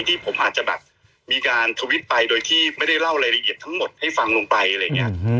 ที่ผมอาจจะแบบมีการทวิตไปโดยที่ไม่ได้เล่ารายละเอียดทั้งหมดให้ฟังลงไปอะไรอย่างนี้